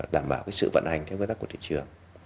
đảm bảo cái sự vận hành theo quy tắc của thị trường